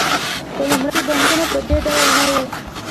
په لومړیو کې بانکونه په دې ډول نه وو